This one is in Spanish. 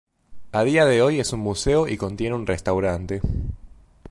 A día de hoy es un museo y contiene un restaurante.